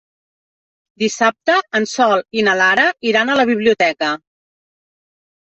Dissabte en Sol i na Lara iran a la biblioteca.